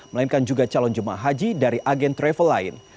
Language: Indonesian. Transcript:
melainkan juga calon jumlah haji dari agen travel lain